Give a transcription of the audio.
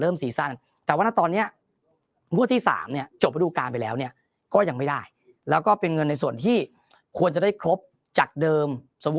ไม่ได้แล้วก็เป็นเงินในส่วนที่ควรจะได้ครบจากเดิมสมมุติ